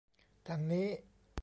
ทางนี้